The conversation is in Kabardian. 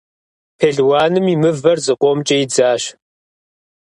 Пелуаным и мывэр зыкъомкӏэ идзащ.